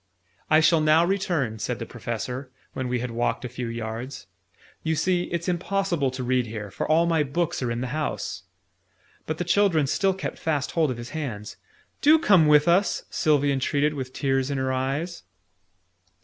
"I shall now return," said the Professor, when we had walked a few yards: "you see, it's impossible to read here, for all my books are in the house." But the children still kept fast hold of his hands. "Do come with us!" Sylvie entreated with tears in her eyes.